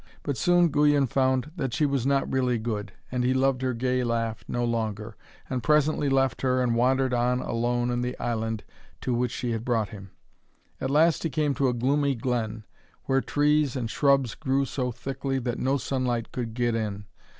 But soon Guyon found that she was not really good, and he loved her gay laugh no longer, and presently left her and wandered on alone in the island to which she had brought him. At last he came to a gloomy glen where trees and shrubs grew so thickly that no sunlight could get in.